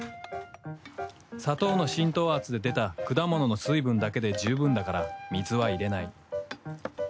砂糖の浸透圧で出た果物の水分だけで十分だから水は入れない。